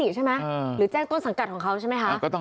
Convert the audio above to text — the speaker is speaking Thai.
แจ้งต้นสังกัดของเขาใช่ไหมคะ